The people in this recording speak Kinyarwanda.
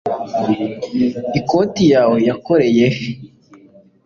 ikoti yawe yakoreye he